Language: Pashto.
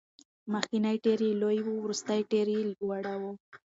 مخکېنی ټایر یې لوی و، وروستی ټایر وړه و.